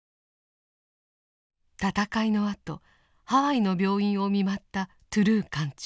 戦いのあとハワイの病院を見舞ったトゥルー艦長。